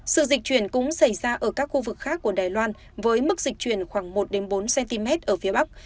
sự dịch chuyển cũng xảy ra ở các khu vực khác của đài loan với mức dịch chuyển khoảng một bốn cm ở phía bắc